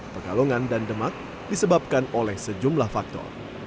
pegalongan dan demak disebabkan oleh sejumlah faktor